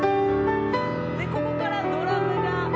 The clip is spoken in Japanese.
でここからドラムが。